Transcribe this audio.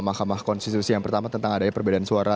mahkamah konstitusi yang pertama tentang adanya perbedaan suara